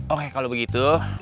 oke kalau begitu